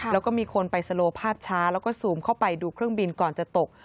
แล้วก็มีคนไปสโลภาพช้าแล้วก็ซูมเข้าไปดูเครื่องบินก่อนจะตก